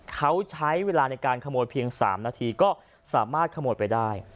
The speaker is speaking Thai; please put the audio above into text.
เขาใช้เวลาในการขโมยเพียง๓นาทีก็สามารถขโมยไปได้